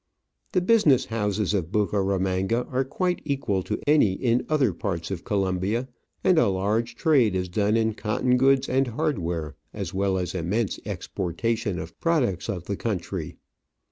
The business houses of Bucaramanga are quite equal to any in other parts of Colombia, and a large trade is done in cotton goods and hardware, as well as immense exportation of products of the country.